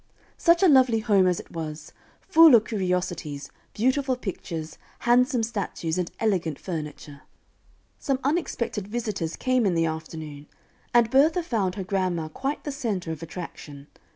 Such a lovely home as it was; full of curiosities, beautiful pictures, handsome statues and elegant furniture! Some unexpected visitors came in the afternoon, and Bertha found her grandma quite the center of attraction.